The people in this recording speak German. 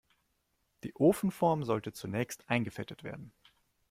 Die Ofenform sollte zunächst eingefettet werden.